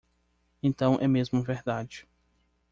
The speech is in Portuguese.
Então é mesmo verdade!